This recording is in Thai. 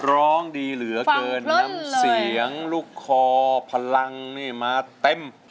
ร้องดีเหลือเกินน้ำเสียงลูกคอพลังนี่มาเต็ม